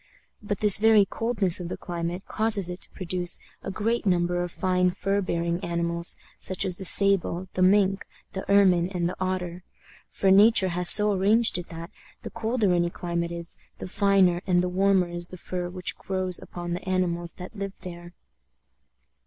But this very coldness of the climate causes it to produce a great number of fine fur bearing animals, such as the sable, the mink, the ermine, and the otter; for nature has so arranged it that, the colder any climate is, the finer and the warmer is the fur which grows upon the animals that live there.